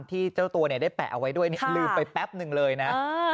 เจ้าตัวได้แปะเอาไว้ด้วยลืมไปแป๊บหนึ่งเลยนะ